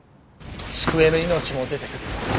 救えぬ命も出てくる。